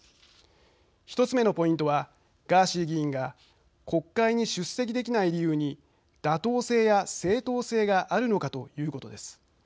１つ目のポイントはガーシー議員が国会に出席できない理由に妥当性や正当性があるのかということです。